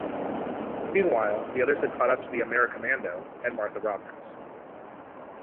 Meanwhile, the others had caught up to the Americommando and Martha Roberts.